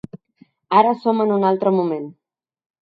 Ara som en un altre moment.